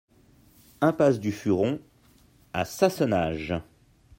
Impasse du Furon à Sassenage